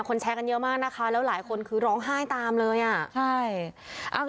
แชร์กันเยอะมากนะคะแล้วหลายคนคือร้องไห้ตามเลยอ่ะใช่